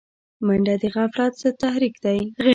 منډه د غفلت ضد تحرک دی